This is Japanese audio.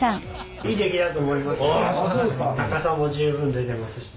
高さも十分出てますし。